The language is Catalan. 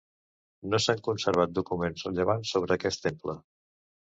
No s'han conservat documents rellevants sobre aquest temple.